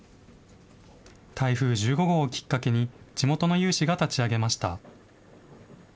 台風１５号をきっかけに、地元の有志が立ち上げました。